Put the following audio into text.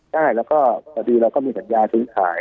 ใช่เราก็ตัดสัญญาทิ้งขาย